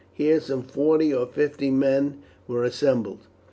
Here some forty or fifty men were assembled.